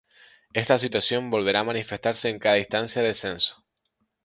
Esta situación volverá a manifestarse en cada instancia de censo.